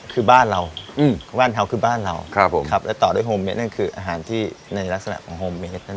นี่คือบ้านเราอืมบ้านเท้าคือบ้านเราครับผมครับแล้วต่อด้วยโฮมเมสนั่นคืออาหารที่ในลักษณะของโฮมเมส